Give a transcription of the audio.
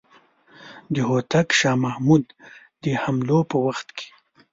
د هوتک شاه محمود د حملو په وخت کې.